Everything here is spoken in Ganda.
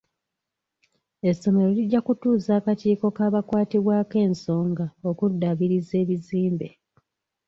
Essomera lijja kutuuza akakiiko k'aba kwatibwako ensonga okuddaabiriza ebizimbe.